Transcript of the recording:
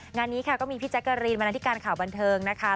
งานนี้ค่ะก็มีพี่แจ๊กกะรีนบรรณาธิการข่าวบันเทิงนะคะ